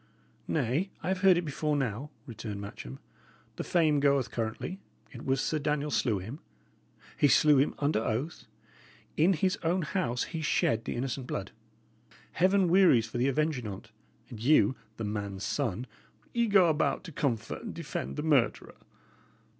"Nay, I have heard it before now," returned Matcham. "The fame goeth currently, it was Sir Daniel slew him. He slew him under oath; in his own house he shed the innocent blood. Heaven wearies for the avenging on't; and you the man's son ye go about to comfort and defend the murderer!"